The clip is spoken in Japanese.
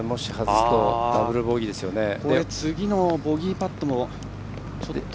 次のボギーパットもちょっと。